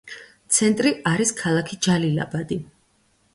ცენტრი არის ქალაქი ჯალილაბადი.